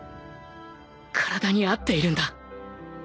体に合っているんだ